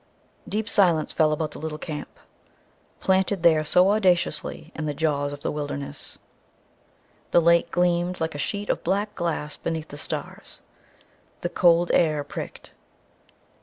Deep silence fell about the little camp, planted there so audaciously in the jaws of the wilderness. The lake gleamed like a sheet of black glass beneath the stars. The cold air pricked.